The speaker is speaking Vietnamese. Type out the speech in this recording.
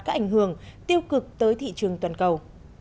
các ảnh hưởng tiêu cực tới thị trường toàn cầu